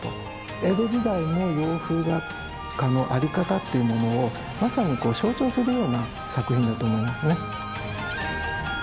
江戸時代の洋風画家の在り方っていうものをまさにこう象徴するような作品だと思いますね。